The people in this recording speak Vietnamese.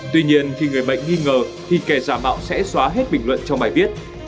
tuy nhiên khi người bệnh nghi ngờ thì kẻ giả mạo sẽ xóa hết bình luận trong bài viết